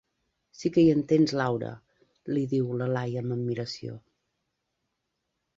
Si que hi entens, Laura —li diu la Laia amb admiració—.